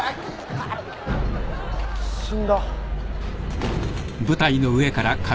「死んだ」